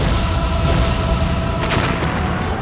ini mah aneh